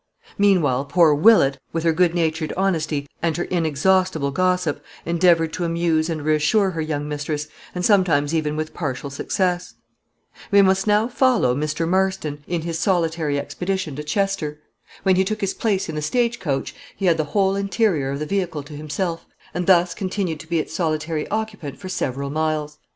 Meanwhile poor Willett, with her good natured honesty and her inexhaustible gossip, endeavored to amuse and reassure her young mistress, and sometimes even with some partial success. We must now follow Mr. Marston in his solitary expedition to Chester. When he took his place in the stagecoach he had the whole interior of the vehicle to himself, and thus continued to be its solitary occupant for several miles.